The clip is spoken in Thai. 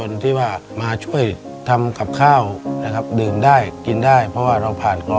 ในแคมเปญพิเศษเกมต่อชีวิตโรงเรียนของหนู